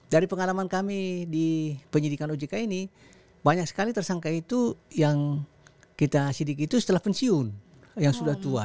dari pengalaman kami di penyidikan ojk ini banyak sekali tersangka itu yang kita sidik itu setelah pensiun yang sudah tua